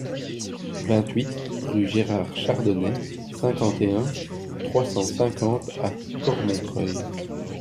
vingt-huit rue Gérard Chardonnet, cinquante et un, trois cent cinquante à Cormontreuil